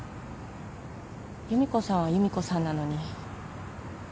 由美子さんは由美子さんなのに。